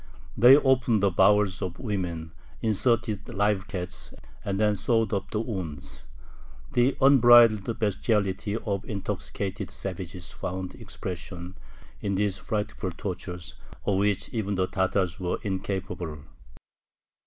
They opened the bowels of women, inserted live cats, and then sewed up the wounds. The unbridled bestiality of intoxicated savages found expression in these frightful tortures, of which even the Tatars were incapable.